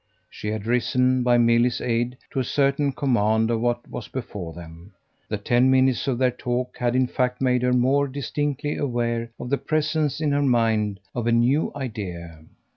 She had risen by Milly's aid to a certain command of what was before them; the ten minutes of their talk had in fact made her more distinctly aware of the presence in her mind of a new idea.